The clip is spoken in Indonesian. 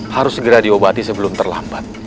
harus segera diobati sebelum terlambat